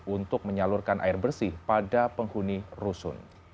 untuk menyalurkan air bersih pada penghuni rusun